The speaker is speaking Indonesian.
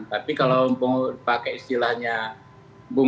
tapi kalau pakai istilahnya bumrei misalnya dikatakan stagnan